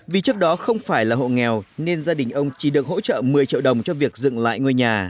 vì trước đó không phải là hộ nghèo nên gia đình ông chỉ được hỗ trợ một mươi triệu đồng cho việc dựng lại ngôi nhà